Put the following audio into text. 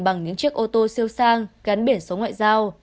bằng những chiếc ô tô siêu sang gắn biển số ngoại giao